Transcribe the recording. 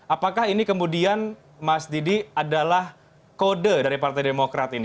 apakah ini kemudian mas didi adalah kode dari partai demokrat ini